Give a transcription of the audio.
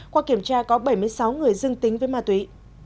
qua kiểm tra có bảy mươi sáu người dưng tính với ma túy